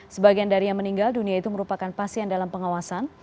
sebagian dari yang meninggal dunia itu merupakan pasien dalam pengawasan